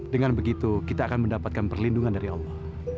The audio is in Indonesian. dengan begitu kita akan mendapatkan perlindungan dari allah